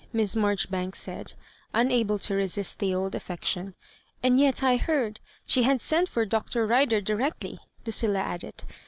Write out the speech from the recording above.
Miss Maijoribanks said, unable to resist the old affection ;'' and yet I heard she had sent for Dr. Bider directly," Lucil la added.